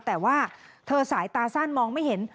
แต่ว่าเธอสายตาสั้นมองไม่เห็น